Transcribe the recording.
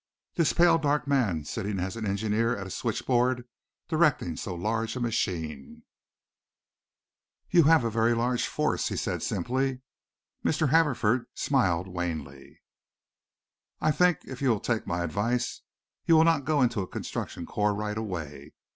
This pale, dark man sitting as an engineer at a switch board directing so large a machine. "You have a large force," he said simply. Mr. Haverford smiled wanly. "I think, if you will take my advice, you will not go in a construction corps right away.